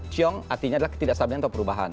ciong artinya adalah ketidaksabian atau perubahan